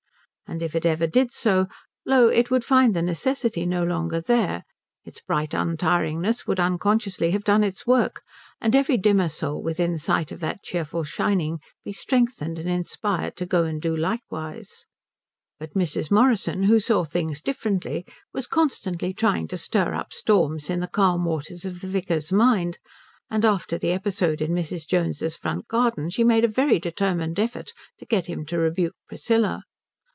And if it ever did, lo, it would find the necessity no longer there. Its bright untiringness would unconsciously have done its work, and every dimmer soul within sight of that cheerful shining been strengthened and inspired to go and do likewise. But Mrs. Morrison, who saw things differently, was constantly trying to stir up storms in the calm waters of the vicar's mind; and after the episode in Mrs. Jones's front garden she made a very determined effort to get him to rebuke Priscilla.